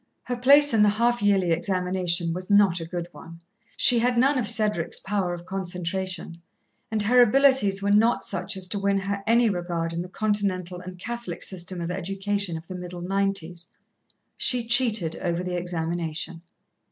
Her place in the half yearly examination was not a good one. She had none of Cedric's power of concentration, and her abilities were not such as to win her any regard in the continental and Catholic system of education of the middle nineties. She cheated over the examination.